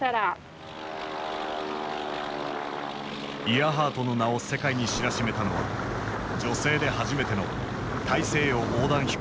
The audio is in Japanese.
イアハートの名を世界に知らしめたのは女性で初めての大西洋横断飛行だった。